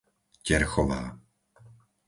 Terchová